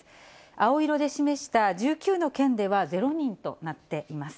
青色で示した１９の県では、０人となっています。